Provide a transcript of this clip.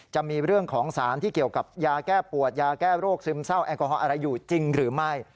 จะมีเรื่องของสารที่เกี่ยวกับยาแก้ปวดยาแก้โรคซึมเศร้าแอลกอฮอล์อะไรอยู่จริงหรือไม่